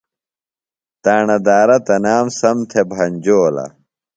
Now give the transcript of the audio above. تاݨہ دارہ تنام سم تھےۡ بھنجولہ۔